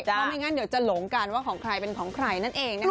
เพราะไม่งั้นเดี๋ยวจะหลงกันว่าของใครเป็นของใครนั่นเองนะคะ